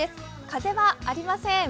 風はありません。